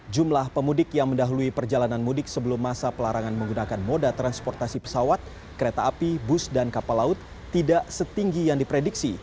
jumlah pemudik yang mendahului perjalanan mudik sebelum masa pelarangan menggunakan moda transportasi pesawat kereta api bus dan kapal laut tidak setinggi yang diprediksi